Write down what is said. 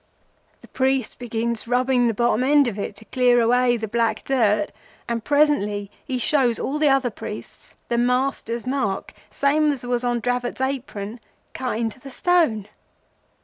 The priest begins rubbing the bottom end of it to clear away the black dirt, and presently he shows all the other priests the Master's Mark, same as was on Dravot's apron, cut into the stone.